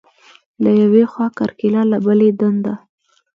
له یوې خوا کرکیله، له بلې دنده.